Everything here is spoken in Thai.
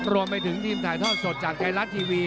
รวมไปถึงทีมถ่ายทอดสดจากไทยรัฐทีวี